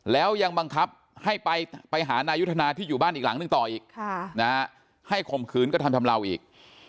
แล้วยังบังคับให้ไปหานายุทธนาที่อยู่บ้านอีกหลังหนึ่งต่ออีกให้ข่มขืนกระทำทำลาวอีก